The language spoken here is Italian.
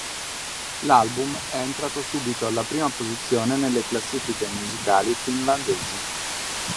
L'album è entrato subito alla prima posizione nelle classifiche musicali finlandesi.